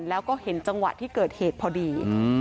แล้วก็เห็นจังหวะที่เกิดเหตุพอดี